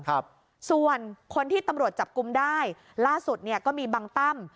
ครับส่วนคนที่ตำรวจจับกลุ่มได้ล่าสุดเนี่ยก็มีบังตั้ม